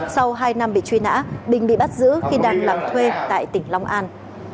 sau hai năm bị truy nã bình bị bắt giữ khi đang làm thuê tại tỉnh long an